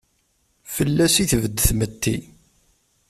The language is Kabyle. Fell-as i tbed tmetti.